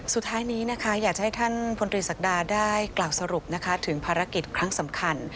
สุดท้ายนี้อยากจะให้ท่านพลฤษฎาได้กล่าวสรุปถึงภารกิจครั้งสำคัญ